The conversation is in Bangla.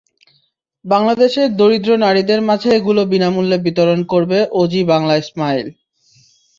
বাংলাদেশের দরিদ্র নারীদের মাঝে এগুলো বিনা মূল্যে বিতরণ করবে অজি বাংলা স্মাইল।